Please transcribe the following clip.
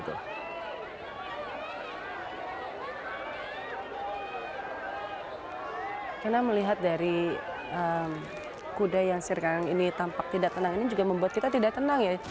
karena melihat dari kuda yang sirkang ini tampak tidak tenang ini juga membuat kita tidak tenang ya